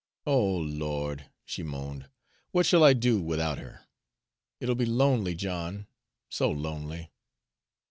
"O Lord!" she moaned, "what shall I do with out her? It'll be lonely, John so lonely!"